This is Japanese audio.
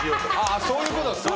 そういうことですか。